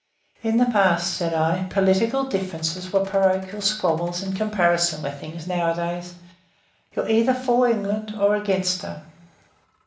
"In the past," said I, "political differences were parochial squabbles in comparison with things nowadays. You're either for England, or against her."